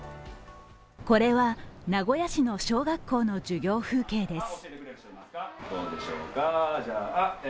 これは名古屋市の小学校の授業風景です。